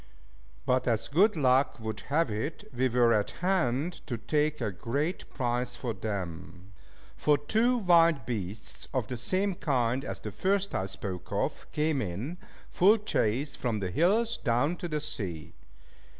But as good luck would have it, we were at hand to take a great prize for them; for two wild beasts, of the same kind as the first I spoke of, came in, full chase from the hills down to the sea.